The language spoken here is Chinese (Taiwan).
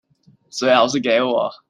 最好是給我